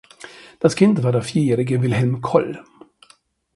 Das Kind war der vierjährige Wilhelm Koll.